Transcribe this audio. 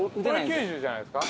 これ９０じゃないですか？